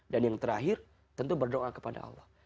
dan yang terakhir tentu berdoa kepada allah